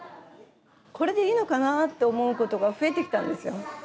これでいいのかなって思うことが増えてきたんですよ。